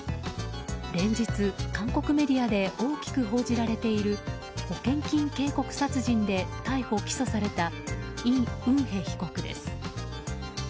連日、韓国メディアで大きく報じられている保険金渓谷殺人で逮捕・起訴されたイ・ウンヘ被告です。